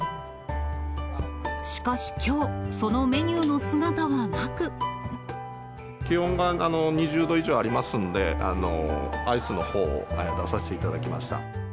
しかしきょう、気温が２０度以上ありますんで、アイスのほうを出させていただきました。